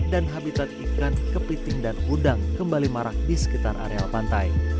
dan habitat ikan kepiting dan udang kembali marak di sekitar areal pantai